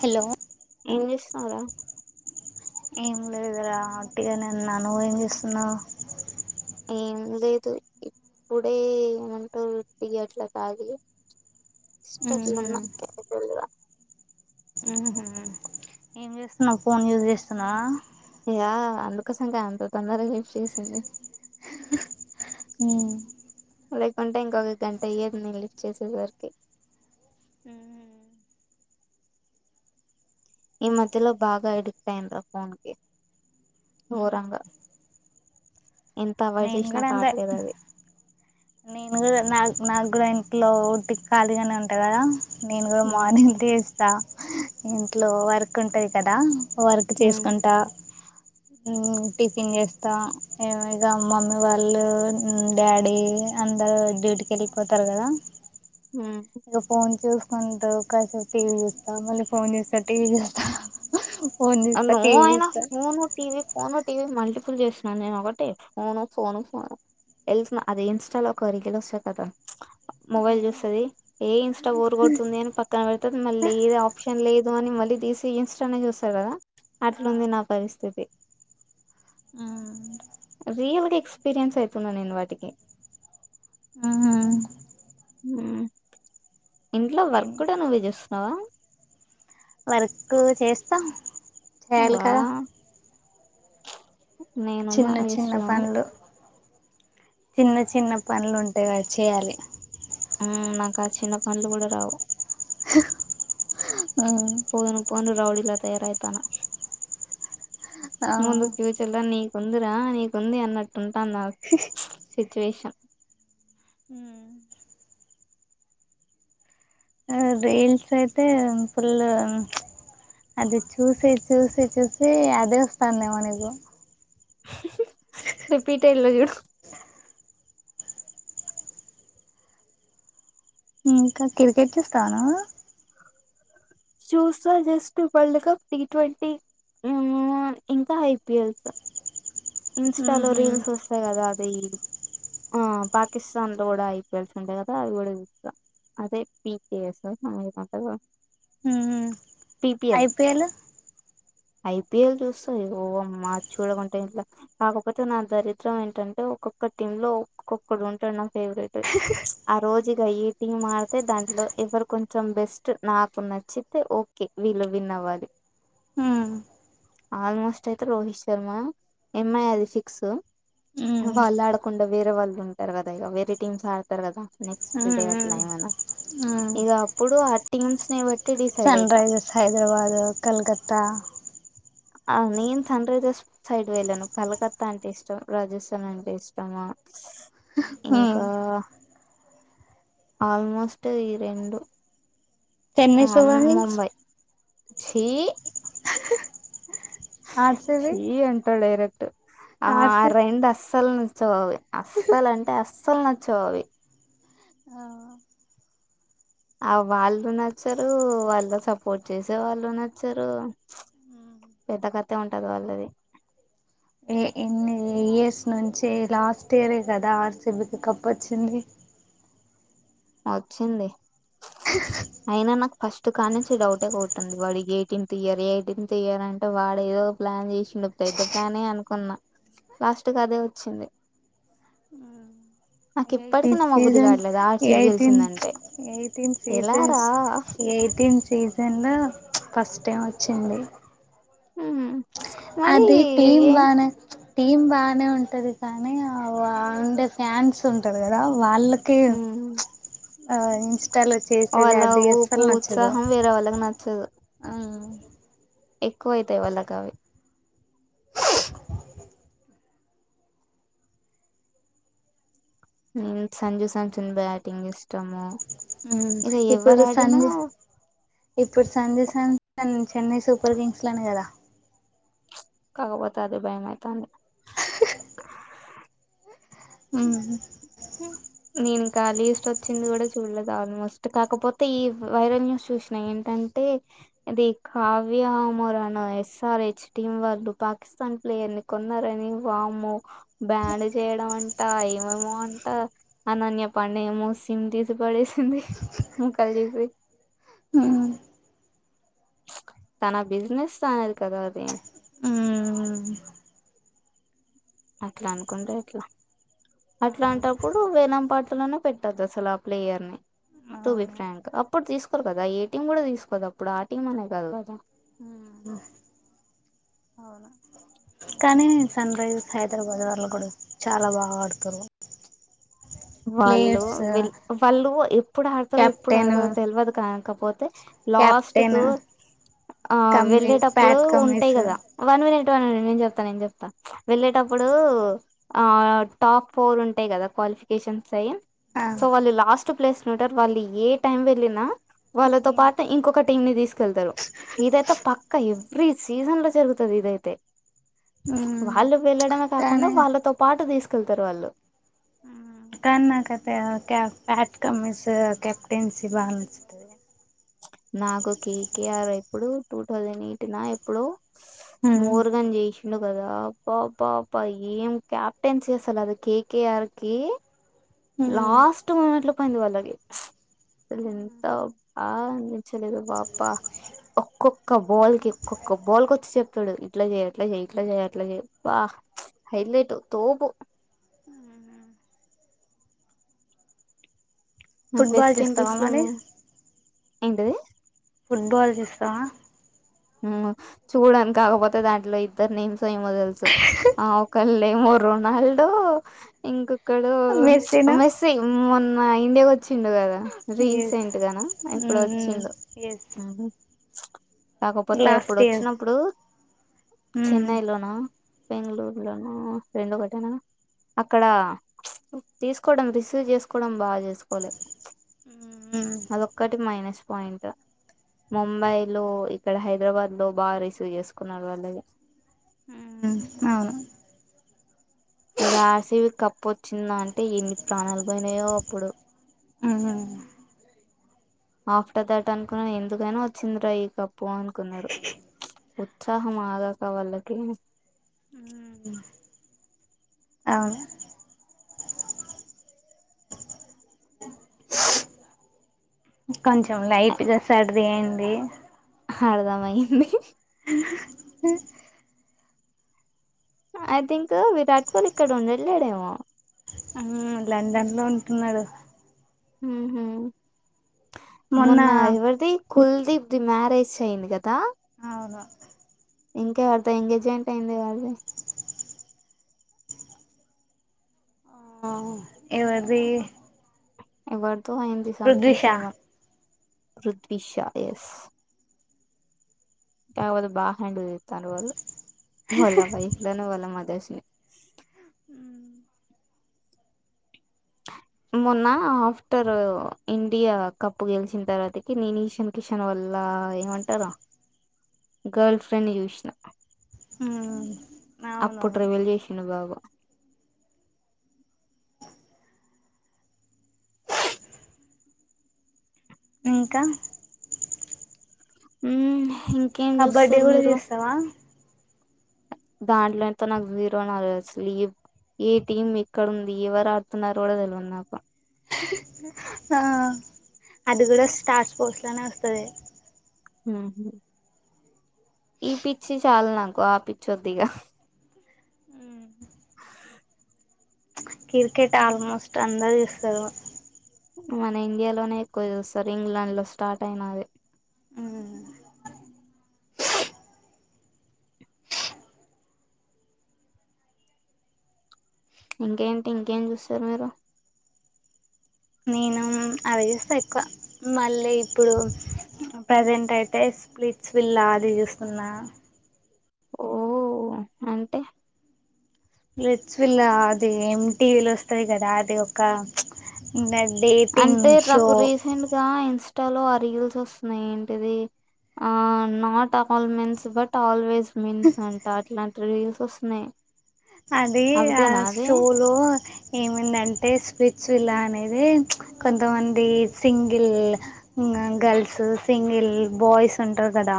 Hello ఏం చేస్తునావ్ రా ఏం లేదు రా అట్టిగా నే ఉన్నాను నువ్ ఏం చేస్తున్నవ్ ఏం లేదు ఇప్పుడే ఏమంటారు ిగట్ల కాగి ఉహు ఇష్టట్లున్నా కేజ ఉహ ఏం చేస్తున్నా్ ఫోన్ యూజ్ చేస్తున్నావా అయ్యా అందుకోసంగా అంత తొందరగా లిఫ్ట్ చేసింది హ్మ్మ్ లేకుంటే ఇంకొక గంట అయ్యేది నేను లిఫ్ట్ చేసేసరికి ఈ మధ్యలో బాగా అడిక్ట్ అయి్యనరా ఫోన్ కి ఘోరంగా త అవాయిడ్ నేను చేసినా కూడా అంతే కావట్లేదు అది నేను కూడా నా నాకు కూడా ఇంట్లో ఉంటిటికి ఖాళీగానే ఉంటా కదా నేను గూడ ఉమ్ మార్నింగ్ ఇ ఇంట్లో వర్క్ ఉంటుంది కదా వర్క్ ఉమ్ చేసుకుంటా టిఫిన్ చేస్తాం ఇక మమ్మీ వాళ్ళు డాడీ అందరు డ్యూటీకి వెళ్ళిపోతారు కదా ఉమ్ రపం చూ అంట కాసపు టీవీ చూస్తాం మళ్ళీ ఫోన్ చూస్తా టీవీ చూస్తాం నుో అయినా phone TV phone TV multiple చేస్తున్నాను నేను ఒకటే ఫోను ఫోను ఫోను వెళ్తున్నా అదే ఇన్స్టాలో ఒక అరికెలు వస్తాయి కదా ఆ మొబైల్ చూస్తుంది ఏ ఇన్స్టా ఊరు కొడుతుంది అని పక్కన పెడితే మళ్ళీ ఏద ఆప్షన్ లేదు అని మళ్ళీ తీసి ఇన్స్టానే చూస్తారు కదా అట్లుంది నా పరిస్థితి రియల్గా ఎక్స్పీరియన్స్ అయితున్నా నేను వాటికి ఉమ్ హ్మ్మ్ ఇంట్లో వర్క్ నేను కూడా నువ్వే చేస్తున్నావా వర్క్ చేస్తాం చేయాలి వా కాదా నేనున్న చిన్న చిన్న వేస్ట్గా మరి పనులు చిన్న చిన్న పనులు ఉంటాయి కాబట్టి చేయాలి ఆ నాకు ఆ చిన్న పనులు కూడా రావు అ పను రౌడీలా తయారవుతాను ఆ ముందు ఫ్యూచర్ లో నీకుందిరా నీకుంది అన్నట్టుంటాను నా సిచ్యువేషన్ హిల్స్ అయితే ఫుల్ అది చూసి చూసి చూసి అదే వస్తామో నీకు రిపీట ఇలో జ ఇంకా క్రికెట్ చూస్తాను చూసా just world cup T twenty ఇంకా ఐపీఎల్స్ ఇన్స్టా లో ఉహు రీల్స్ వస్తాయి కదా అద ఆ పాకిస్తాన్ లో కూడా ఐపీఎల్స్ ఉంటాయి కదా అది కూడా చూస్తా అదే పీకేఎస్ంట ఉమ్ ఐపిఎల్ ఐపిఎల్ చూస్తాయి ఓ మార్ చూడకుంటాం ఇట్లా కాకపోతే నా దరిద్రం ఏంటంటే ఒక్కొక్క టీమ్ లో ఒక్కొక్కడు ఉంటాడు నా ఫేవరెట్ ఆ రోజుగా ఏటింగ్ మారితే దాంట్లో ఎవరు కొంచెం బెస్ట్ నాకు నచ్చితే ఓకే వీళ్ళు విన్ అవ్వాలి ఆల్మోస్ట్ అయితే రోహిత్ శర్మ ఎంఐ అది ఫిక్స్ వాళ్ళు ఆడకుండా వేరే వాళ్ళు ఉంటారు కదా ఇక వేరే టీమ్స్ ఆడతారు కదా నెక్స్ట్ డే అట్లా ఏమైనా ఇక అప్పుడు ఆ టీమ్స్ నిటి సన్రాజర్స్ హైదరాబదు కల్కాత్త ఆ నేను తండ్రదస్ సైడ్ వెళ్ళాను కలకత్తా అంటే ఇష్టం రాజస్థాన్ అంటే ఇష్టమా ఉమ్ ఇంకా ఆల్మోస్ట్ ఈ రెండు చెన్నై సూవర్ కింగ్స్ ముంబై ఛీ ఆర్సిబి చి అంటాలే ఇర త ఆ ఆర్సి రెండు అస్సలుని చోవి అస్సలు అంటే అస్సలు నచ్చోవి ఆ ఆ వాళ్ళు నచ్చరు వాళ్ళు సపోర్ట్ చేసే వాళ్ళు నచ్చరు పెద్ద కథ ఉంటది వాళ్ళది ఏ ఎన్ని ఇయర్స్ నుంచి లాస్ట్ ఇయరే కదా ఆర్సిబీకి కప్ వచ్చింది వచ్చింది అయినా నాకు ఫస్ట్ కా నుంచి డౌటే కొట్టింది వాడికి ఎయిటీన్త్ ఇయర్ ఎయిటీన్త్ ఇయర్ అంటే వాడు ఏదో ప్లాన్ చేసిండు పెద్ద ప్లానే అనుకున్నా లాస్ట్ కి అదే వచ్చింది నాకు ఇప్పటికి ఎయిటీన్ నమ్మబుద్ధి సీజన్ కావట్లేదు ఆర్సిబి ఎయిటీన్ గెలిచిందంటే ఎయిటీన్ ఎలారా సీజస్ ఎయిటీన్ సీసన్ లో ఫస్ట్ టైమా చ్చింది మరి అది టీం ఏం బానే టీం బానే ఉంటది కానీ ఔ ఆఉండే ఫ్యాన్స్ ఉంటరు కదా వాళ్ళు ే ఉమ్, ఇన్స్టాలో చేసేది వాళ్ళ ఆ ఊపు ఎస్ఎల్ నచ్చేదు ఉత్సాహం వేరే వాళ్ళకి ఎక్కువైతాయి వాళ్ళకి అవి ఊ సంజూ సమ్సన్ బ్యాటింగ్ ఇష్టము ఉమ్ ఇక ఎవరు ఇప్పుడు ఆడినా సంజూ ఇప్పుడు సంజు [unintelligible] చెన్నై సూపర్ కింగ్స్ లో నే కదా కాగపోతే అదే భయం ఐతాంది అవును మీనింగ్ కా లీస్ట్ వచ్చింది కూడా చూడలేదు ఆల్మోస్ట్ కాకపోతే ఈ వైరల్ న్యూస్ చూసినా ఏంటంటే ఇది కావ్యమోరానా ఎస్ ఆర్ హెచ్ టీం వాళ్ళు పాకిస్తాన్ ప్లేయర్ ని కొన్నారని వామ్మో బ్యాండు చేయడం అన్ తా ఏమేమో అంటా అనన్య పనేమో సిమ్ తీసి పడేసింది ముక్కలు చేసి తన బిజినెస్ తనేది కదా అది అట్లా అనుకుంటే ఎట్లా అట్లాంటప్పుడు వేలం పాటలోనే పెట్టదు అసలు ఆ ప్లేయర్ ని టూ బి ఫ్రాంక్ అప్పుడు తీసుకోరు కదా ఏ టీం కూడా తీసుకోదు అప్పుడు ఆ టీం అనే కాదు కదా అవును కానీ నేను సన్ రైజర్స్ హైదరాబాద్ వాళ్ళు కూడా చాలా బాగా ఆడుతారు వాళ్ళు ప్లేయర్స్ విల్ వాళ్ళు ఎప్పుడు ఆడతారో ఎప్పుడు కెప్టెన్ ఆడదో తెల్వదు కాకపోతే లాస్ట్ కు కెప్టెన్ ఆ కమ్మీస్ వెళ్ళేటప్పుడు ప్యాట్ ఉంటాయి కమ్మీస్ కదా వన్ మినిట్ టాను నేను చెప్తాను నేను చెప్తా వెళ్ళేటప్పుడు ఆ టాప్ ఫోర్ ఉంటాయి కదా క్వాలిఫి కేషస్ అయ్ ఆ సో వాళ్ళు లాస్ త్ ప్లేస్ లుంటారు వాళ్ది ఏ టైం వెళ్ళినా వాళ్ళతో పాటు ఇంకొక టీం ని తీస్ కెళ్తారు ఇదైతే పక్కా ఎవ్రీ సీజన్ లో జరుగుతది ఇదైతే ఉమ్ వాళ్ళు వెళ్ళడమే కాకుండా కానీ వాళ్ళతో పాటూ తీసుకెళ్తారు వాళ్ళు కానీ నాకైతే ఆ కా ప్యాట్ కమ్మీస్ కెప్టెన్సీ బా నచ్చుతది నాకు కే కే ఆర్ ఇప్పుడు టూ థౌసండ్ ఎయిటీన్ ఆ ఎప్పుడో ఉమ్ మోర్గన్ చేసిండు కదా అప్ప అప్ప అప్ప ఏం క్యాప్టెన్సీ అసలు అది కే కే ఆర్ కి లాస్ట్ మూమెంట్ లో పోయింది వాళ్ళకి అసలు ఎంత బాగా అన్పిచ్చలేదు బాపా ఒక్కొక్క బాల్ కి ఒక్కొక్క బాల్ కొచ్చి చెప్తాడు ఇట్లా చేయ్ ఇట్లా చెయ్ ఇట్ల చేయ్ అట్లా చెయ్ బా హైలైట్ తోపు ఫుట్బాల్ చేస్తావా మరి ఏంటది ఫుట్బల్ చూస్తావా హు చూడానికి కాకపోతే దాంట్లో, ఇద్దర్ నేమ్స్ ఏమో తెలుసు ఆ ఒకళ్ళమో రోనాల్డ్ ఇంక్ క్కడు ఆ మెస్సీనా మెస్సీ మోన్ మా ఇండియా వచ్చిండు కదా ఎస్ రీసెంట్ గానా ఎప్పుడో ఉమ్ వచ్చిండు ఎస్ కాకపోతే ఎప్పుడు లాస్ట్ ఇయర్ వచ్చినప్పుడు ఉమ్ చెన్నై లోన బెంగళూరులోనూ, రెండు ఒకటేనా అక్కడ తీసుకోవడం రిసీవ్ చేసుకోవడం బాగా చేసుకోలే ఉమ్ అదొక్కటి మైనస్ పాయింట్ ముంబై లో ఇక్కడ హైదరాబాద్ లో బా రిసీవ్ చేసుకున్నారు వాళ్ళది అవును ఇక ఆర్ సి బి కప్పు వచ్చిందా అంటే ఎన్ని ప్రాణాలు పోయినాయో అప్పుడు ఉమ్ ఆఫ్టర్ దాట్ అనుకున్నా ఎందుకైనా వచ్చింది రా ఈ కప్పు అనుకున్నారు ఉత్సాహం ఆగక వాళ్ళకి అవును కొంచెం లైట్ గా సైడు దీయండి హడ్దమయ్యింది ఐ థింక్ విరాట్ కోహ్లీ ఇక్కడ ఉండల్లేడేమో ఉమ్ లండన్ లో ఉంటున్నాడు మ్మ్ హు మొన్న ఎవరిది కుల్దిీ ఇది మ్యారేజ్ అయింది కదా అవును ఇంకా ఎవరితో ఎంగేజ్మెంట్ అయింది వాళ్ ది ఆ ఎవరిది ఎవర్ తో అయింది సంథింగ్ పృథ్విష సం వన్ రృద్విషా ఎస్ కావోతే బా హ్యాండిల్ చేత్తండు వాళ్ వోల్ల భయి ఇ లోనే వోల్ మ ద్ ధష్ని మొన్న ఆఫ్టర్ ఇండియా కప్ గెలిచిన తర్వాతకి, నేన్ ఈషాన్ కిషన్ వల్ల ఏమంటరు గర్ల్ ఫ్రెండ్ చూసినా, ఉమ్ అప్పుడు అవునవును రీవిల్ చేసిండు బాబా ఇంకా ఉమ్ హిన్ కబడ్డీ కూడా చూస్తావా దాంట్లో ఎంత నాకు జీరో నాలెడ్జ్ లీవ్, ఏ టీం ఎక్కడ ఉంది, ఎవరు ఆడుతున్నారో కూడా తెలివద్ నాకు ఆ అది కూడా స్టార్ స్పోర్ట్స్ లనే వస్తది ఈ పిచ్చి చాల్ నాకు ఆ పిచ్చి వద్దిగా క్రికెట్ ఆల్మోస్ట్ అందరూ చూస్తరు మన ఇండియాలోనే ఎక్కువ చూస్తరు ఇంగ్లాండ్ లో స్టార్ట్ అయినది ఇంకేంటి ఇంకేం చూస్తారు మీరు నేను అది చూస్తా ఎక్కువ మళ్ళీ ఇప్పుడు ప్రసెంట్ అయితే స్ప్లిట్స్ విిల్లా అది చూస్తున్నా అ అంటే రెచ్విల్లా అది ఎం టీ వీల్ స్తది కదా అది ఒక ఉన్నద్ అంటే నాకు రీసెంట్ గా ఇన్స్ లో ఆ రిల్స్ వస్తున్నాయి ఏంటిది ఆ not all men's but always mince అంట అట్లాంటి రీల్స్ వస్తున్నాయి అది ఆ అవిదేనా అది చోలు ఏమిందంటే స్పిచివిలా అనేది కొంతమంది సింగిల్ గర్ల్స్ సింగిల్ బాయ్స్ ఉంటారు కదా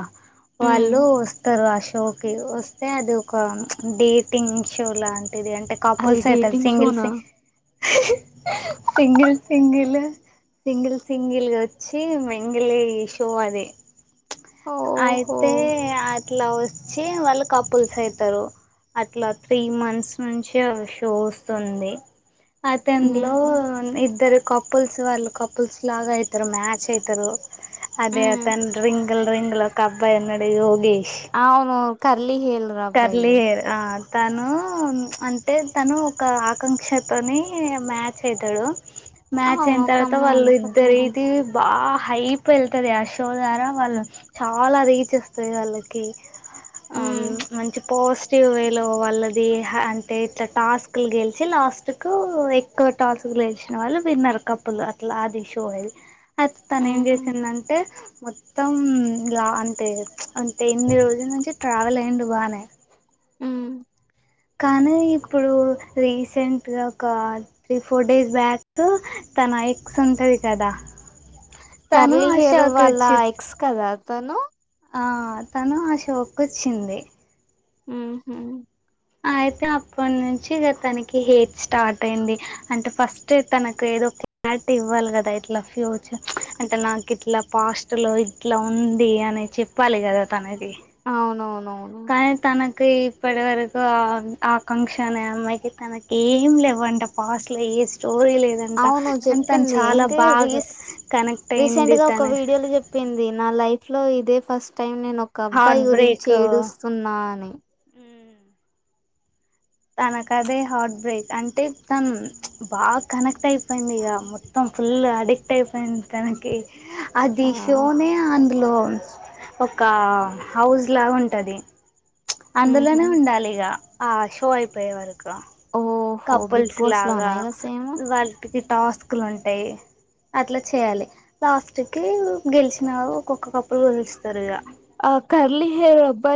ఉమ్ వాళ్ళు [unintelligible] వస్తే అది ఒక డేటింగ్ [unintelligible] ది అంటే అది కపుల్స్ అవుతారు డేటింగ్ సింగిల్ షోనా సి సింగిల్ సింగిల్ సింగిల్ సింగిల్ వచ్చి మెంగలి షో అది ఓహో అయితే ఆ ట్లా వచ్చి వాళ్ళు కపుల్స్ అయితరు అట్లా త్రీ మంత్స్ నుంచి షో వస్తుంది అతన్ లో ఉహు న్ ఇద్దరు కపుల్స్ వాళ్ళు కపుల్స్ లాగా అయితారు మ్యాచ్ అయితారు అదే ఉమ్ తను రింగల్ రింగ్ల్ ఒక అబ్బాయి ఉన్నాడు [unintelligible] అవును కర్లీ హెయిర్ కర్లి అబ్బాయి హేర్ ఆ తను అంటే తను ఒక ఆకాంక్షతోని మ్యాచ్ అవుతాడు మ్యాచ్ అవును అయ్యిన ఒక తర్వాత అమ్మాయి వాళ్ళు ఉంది పక్కన ఇద్దరి ఇది బా హైప్ వెళ్తుంది ఆ షో ద్వారా వాళ్ళు చాలా రీచ్ వస్తాది వాళ్ళకి ఉమ్ మంచి పాజిటివ్ వే లో వాళ్ళది అంటే ఇట్లా టాస్క్లు గెలిచి లాస్ట్ కు ఎక్కువ టాస్క్ గెలిచిన వాళ్ళు విన్నర్ కప్పులు అట్లా అది షో అది తను ఏం ఉహు చేసిందంటే మొత్తం ఇలా అంటే అంటే ఎనిమిది రోజుల నుంచి ట్రావెల్ అయ్యిండు బాగా [unintelligible] మ్మ్ కానీ ఇప్పుడు రీసెంట్గా ఒక త్రీ ఫోర్ డేస్ బ్యాక్ తన ఎక్స్ ఉంటుంది కదా తను కర్లీ ఆ హెర్ షోకి వాళ్ళ వచ్చి ఎక్స్ కదా తను ఆ తను ఆ షోక్ వచ్చింది మ్మ్ హు అయితే అప్పటి నుంచి ఇగా తనకి హెయిట్ స్టార్ట్ అయింది అంటే ఫస్ట్ తనకు ఏదో క్లారిటీ ఇవ్వాలి కదా ఇట్లా ఫ్యూచర్ అంటే నాకు ఇట్లా పాస్ట్ లో ఇట్లా ఉంది అని చెప్పాలి కదా తనది అవునవును కానీ తన ఇప్పటి వరకు ఆకాంక్షన్ అమ్మాయికి తనకి ఏం లేవంట పాస్ట్ లో ఏ స్టోరీ లేదంట అవును కానీ తను చెప్పింది చాలా ఏంటి బాగా రీస్ కనెక్ట్ రీసెంట్ అయింది గా తన ఒక వీడియో లో చెప్పింది నా లైఫ్ ఫ్లో ఇదే ఫస్ట్ టైం నేను ఒక అబ్బాయి హార్ట్ గురించి బ్రేక్ ఏడుస్తున్నా అని తనకు అదే హార్ట్ బ్రేక్ అంటే, తను బాగా కనెక్ట్ అయిపోయింది ఇక మొత్తం ఫుల్ అడిక్ట్ అయిపోయింది తనకి ఆ అదిషోనే ఆందులో ఒక హౌస్ లా ఉంటది అందులోనే మ్మ్హ్మ్. ఉండాలిగా ఆ షో అయిపోయే వర క ఓహో బిగ్ కప్పుల్స్ బాస్ లాగా లోనా ఇగ సేమ్ వాటికి టాస్క్లు ఉంటాయి, అట్లా చేయాలి లాస్ట్కి గెలిచిన ఒక్కొక్క కప్పుడు గెలుుస్తారు ఇక ఆ కర్లి హెయిర్ అబ్బాయి